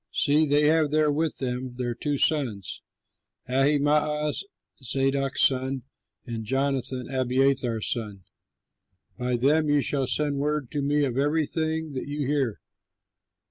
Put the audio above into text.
See, they have there with them their two sons, Ahimaaz, Zadok's son, and Jonathan, Abiathar's son. By them you shall send word to me of everything that you hear."